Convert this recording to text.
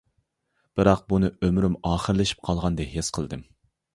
بىراق بۇنى ئۆمرۈم ئاخىرلىشىپ قالغاندا ھېس قىلدىم.